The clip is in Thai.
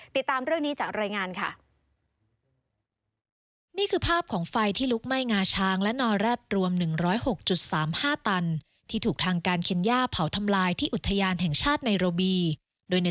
ติดตามเรื่องนี้จากรายงานค่ะ